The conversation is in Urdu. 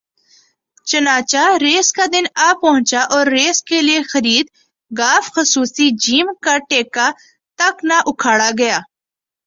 چناچہ ریس کا دن آپہنچا اور ریس کے لیے خرید گ خصوصی ج کا ٹیکہ تک نا اکھاڑا گیا